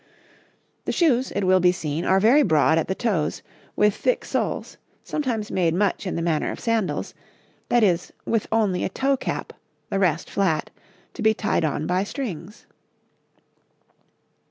The shoes, it will be seen, are very broad at the toes, with thick soles, sometimes made much in the manner of sandals that is, with only a toecap, the rest flat, to be tied on by strings.